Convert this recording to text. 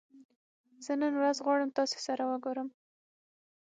زه نن ورځ غواړم تاسې سره وګورم